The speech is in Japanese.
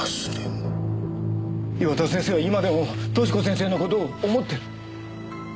岩田先生は今でも寿子先生の事を思ってる。